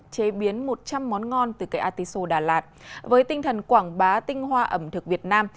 chế biến một trăm linh món ngon từ cây artiso đà lạt với tinh thần quảng bá tinh hoa ẩm thực việt nam